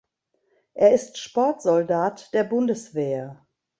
Er ist Sportsoldat der Bundeswehr.